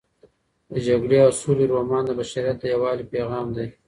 د جګړې او سولې رومان د بشریت د یووالي پیغام دی.